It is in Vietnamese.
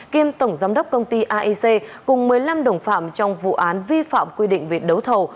kiêm tổng giám đốc công ty aic cùng một mươi năm đồng phạm trong vụ án vi phạm quy định về đấu thầu